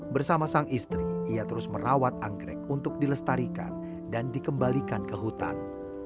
bersama sang istri ia terus merawat anggrek untuk dilestarikan dan dikembalikan ke hutan